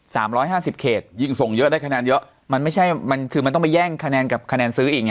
สามร้อยห้าสิบเขตยิ่งส่งเยอะได้คะแนนเยอะมันไม่ใช่มันคือมันต้องไปแย่งคะแนนกับคะแนนซื้ออีกไง